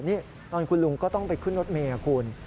นี่ตอนคุณลุงก็ต้องไปขึ้นรถเมย์คุณ